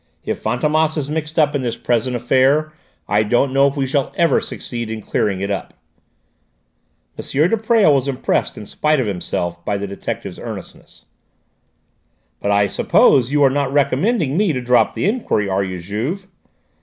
If Fantômas is mixed up in this present affair, I don't know if we ever shall succeed in clearing it up!" M. de Presles was impressed in spite of himself by the detective's earnestness. "But I suppose you are not recommending me to drop the enquiry, are you, Juve?"